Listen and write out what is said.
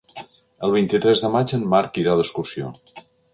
El vint-i-tres de maig en Marc irà d'excursió.